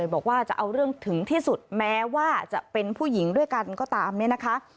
บอกว่าจะเอาเรื่องถึงที่สุดแม้ว่าจะเป็นผู้หญิงด้วยกันก็ตามเนี่ยนะคะ